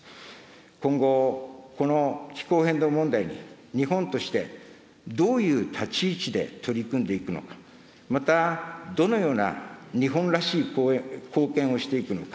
今後、この気候変動問題に日本としてどういう立ち位置で取り組んでいくのか、また、どのような日本らしい貢献をしていくのか。